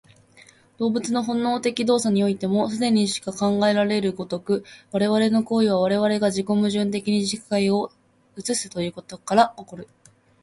動物の本能的動作においても、既にしか考えられる如く、我々の行為は我々が自己矛盾的に世界を映すということから起こる。